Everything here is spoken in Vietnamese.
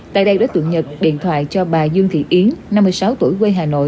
tại đây đối tượng nhật điện thoại cho bà dương thị yến năm mươi sáu tuổi quê hà nội